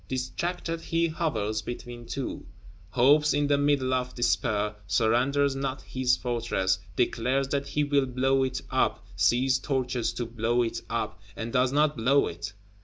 Distracted, he hovers between two; hopes in the middle of despair; surrenders not his Fortress; declares that he will blow it up, seizes torches to blow it up, and does not blow it.